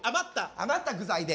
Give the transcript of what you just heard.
余った具材で。